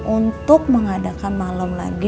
untuk mengadakan malam lagi